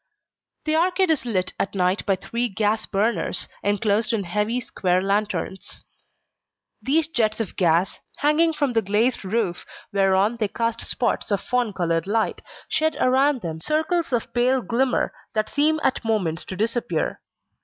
The arcade is lit at night by three gas burners, enclosed in heavy square lanterns. These jets of gas, hanging from the glazed roof whereon they cast spots of fawn coloured light, shed around them circles of pale glimmer that seem at moments to disappear.